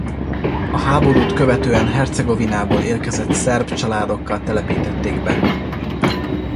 A háborút követően Hercegovinából érkezett szerb családokkal telepítették be.